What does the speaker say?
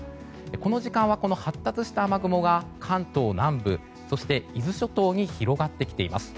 この時間はこの発達した雨雲が関東南部そして伊豆諸島に広がってきています。